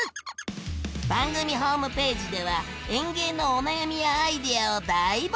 番組ホームページでは園芸のお悩みやアイデアを大募集！